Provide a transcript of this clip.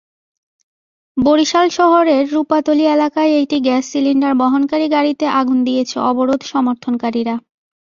বরিশাল শহরের রূপাতলী এলাকায় একটি গ্যাস সিলিন্ডার বহনকারী গাড়িতে আগুন দিয়েছে অবরোধ সমর্থনকারীরা।